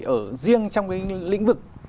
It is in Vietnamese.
ở riêng trong cái lĩnh vực